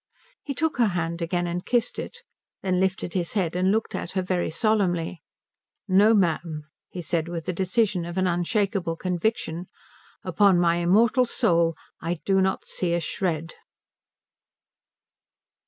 He took her hand again and kissed it; then lifted his head and looked at her very solemnly. "No, ma'am," he said with the decision of an unshakable conviction, "upon my immortal soul I do not see a shred."